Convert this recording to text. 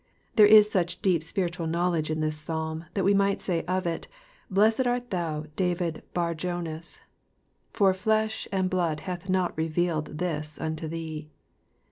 There is such deep spiritual knowledge in this Psalm that we might say of it, *• Blessed art thou David Bar jonas, for flesh and blood hath not revealed this unto thee.